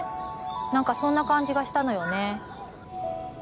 何かそんな感じがしたのよね